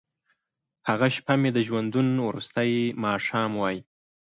هغه شپه مي د ژوندون وروستی ماښام وای٫